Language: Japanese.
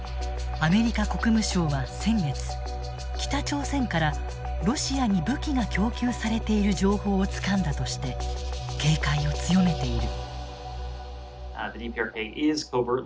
アメリカ国務省は先月北朝鮮からロシアに武器が供給されている情報をつかんだとして警戒を強めている。